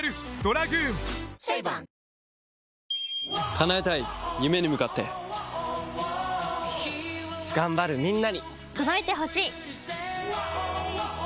叶えたい夢に向かって頑張るみんなに届いてほしい！